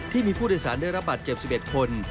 ที่มีผู้โดยสารได้รับบาดเจ็บ๑๑คน